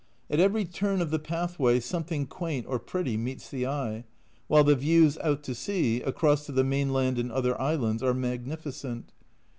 At every turn of the pathway something quaint or pretty meets the eye, while the views out to sea, across to the mainland and other islands, are magnificent.